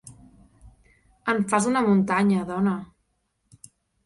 En fas una muntanya, dona.